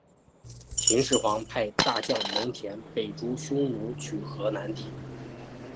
秦始皇派大将蒙恬北逐匈奴取河南地。